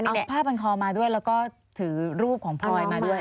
เอาผ้าพันคอมาด้วยแล้วก็ถือรูปของพลอยมาด้วย